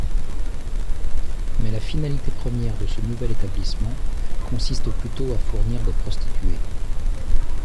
Mais la finalité première de ce nouvel établissement consiste plutôt à fournir des prostituées.